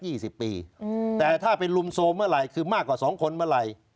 สิบปีอืมแต่ถ้าเป็นลุมโทรมเมื่อไหร่คือมากกว่าสองคนเมื่อไหร่